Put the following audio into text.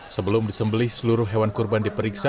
sebelum disembelih seluruh hewan kurban diperiksa